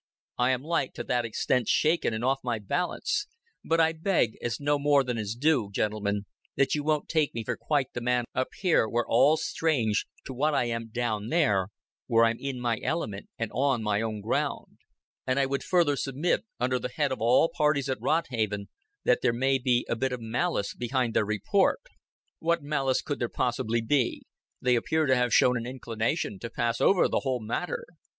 I am like to that extent shaken and off my balance; but I beg, as no more than is due, gentlemen, that you won't take me for quite the man up here, where all's strange, to what I am down there, where I'm in my element and on my own ground. And I would further submit, under the head of all parties at Rodhaven, that there may be a bit of malice behind their report." "What malice could there possibly be? They appear to have shown an inclination to pass over the whole matter."